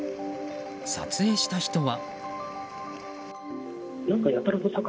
撮影した人は。